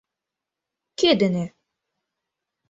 — Кӧ дене?